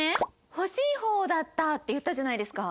「欲しい方だった」って言ったじゃないですか。